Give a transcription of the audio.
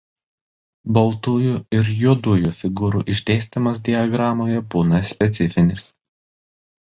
Baltųjų ir juodųjų figūrų išdėstymas diagramoje būna specifinis.